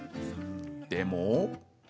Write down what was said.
でも。